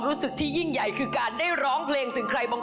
ของท่านได้เสด็จเข้ามาอยู่ในความทรงจำของคน๖๗๐ล้านคนค่ะทุกท่าน